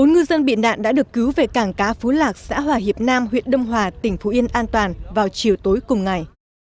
bốn ngư dân bị nạn đã được cứu về cảng cá phú lạc xã hòa hiệp nam huyện đông hòa tỉnh phú yên an toàn vào chiều tối cùng ngày